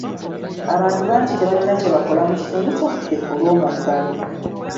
Abantu bangi tebalina kye bakola mu kitundu kyaffe olw'omuggalo.